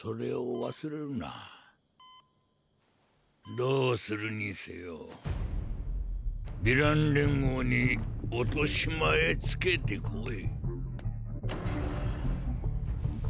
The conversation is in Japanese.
どうするにせよヴィラン連合に落とし前つけてこい。